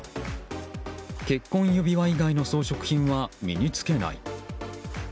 結婚指輪以外の装飾品は身に着けない。